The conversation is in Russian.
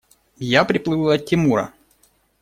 Я приплыла от Тимура.